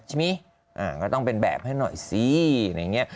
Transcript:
ก็ต้องเป็นแบบให้หน่อยสิอะไรอย่างนี้